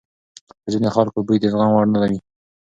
په ځینو خلکو کې بوی د زغم وړ نه وي.